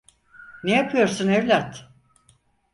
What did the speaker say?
Ne yapıyorsun evlat?